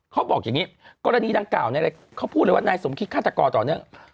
เขาบอกอย่างนี้กรณีดังกล่าวเขาพูดเลยว่านายสมคิดฆาตกรต่อเนื่อง